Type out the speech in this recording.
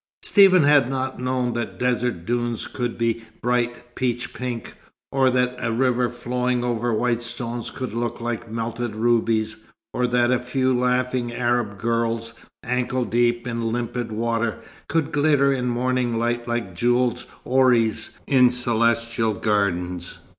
Stephen had not known that desert dunes could be bright peach pink, or that a river flowing over white stones could look like melted rubies, or that a few laughing Arab girls, ankle deep in limpid water, could glitter in morning light like jewelled houris in celestial gardens.